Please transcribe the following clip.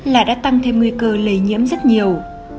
là đã tăng thêm nguy cơ lây nhiễm rất nhiều